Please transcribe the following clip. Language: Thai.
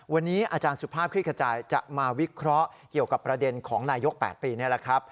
วันนี้อาจารย์สุภาพคลิกขจายจะมาวิเคราะห์เกี่ยวกับประเด็นของนายก๘ปีนี่แหละครับ